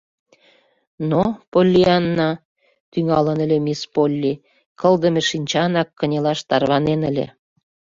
— Но, Поллианна, — тӱҥалын ыле мисс Полли, кылдыме шинчанак кынелаш тарванен ыле.